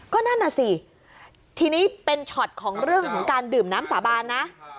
ก็นั่นน่ะสิทีนี้เป็นช็อตของเรื่องของการดื่มน้ำสาบานนะ